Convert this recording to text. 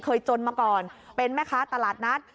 จนมาก่อนเป็นแม่ค้าตลาดนัด